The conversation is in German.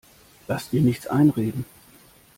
Lass dir nichts einreden!